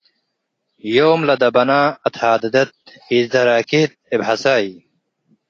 ዮም ለደብነ አትሃደደት ኢትዘራኬት እብ ሀሳይ